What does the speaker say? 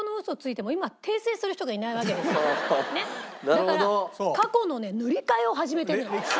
だから過去のね塗り替えを始めてるの。